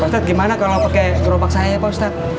pak ustadz gimana kalau pakai gerobak saya pak ustadz